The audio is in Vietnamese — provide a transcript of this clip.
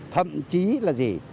thậm chí là gì